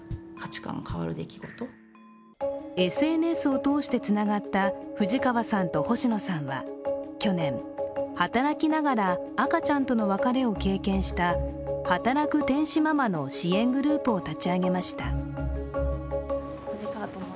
ＳＮＳを通してつながった藤川さんと星野さんは去年、働きながら赤ちゃんとの別れを経験した働く天使ママの支援グループを立ち上げました。